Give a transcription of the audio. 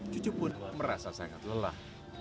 cucu pun merasa sangat lelah